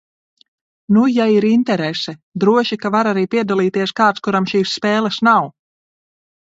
Nu, ja ir interese. Droši ka var arī piedalīties kāds, kuram šīs spēles nav.